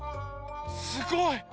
すごい。